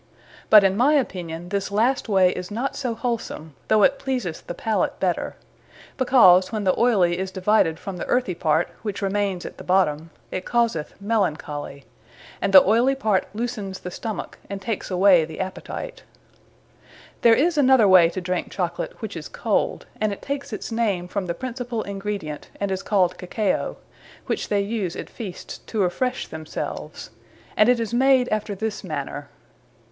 But, in my opinion, this last way is not so wholsome, though it pleaseth the pallate better; because, when the Oily is divided from the earthy part, which remaines at the bottome, it causeth Melancholy; and the oily part loosens the stomacke, and takes away the appetite: There is another way to drink Chocolate, which is cold; and it takes its name from the principall Ingredient, and is called Cacao; which they use at feasts, to refresh themselves; and it is made after this manner.